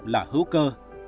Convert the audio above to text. là hữu cơ